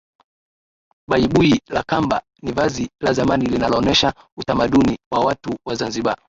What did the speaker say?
Baibui la kamba ni vazi la zamani linaloonesha utamaduni wa watu wa zanzibar